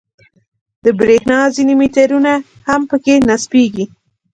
د برېښنا ځینې میټرونه هم په کې نصبېږي.